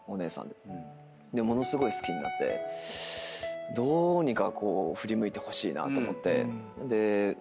でものすごい好きになってどうにか振り向いてほしいなと思って。